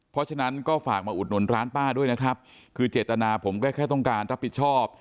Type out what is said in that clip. เพราะฉะนั้นก็ฝากมาอุดหนุนร้านป้าด้วยนะครับคือเจตนาผมก็แค่ต้องการรับผิดชอบ